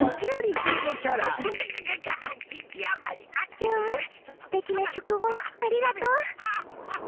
ヒュンすてきな曲をありがとう。